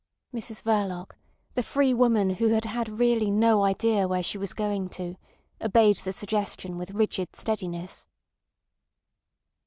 Mrs Verloc, the free woman who had had really no idea where she was going to, obeyed the suggestion with rigid steadiness.